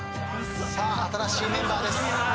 さあ新しいメンバーです。